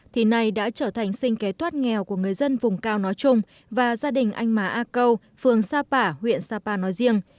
thì nay đã trở thành sinh kế thoát nghèo của người dân vùng cao nói chung và gia đình anh má a câu phường sapa huyện sapa nói riêng